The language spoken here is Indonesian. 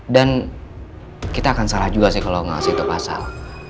dan kita akan salah juga sih kalau nggak kasih itu pasal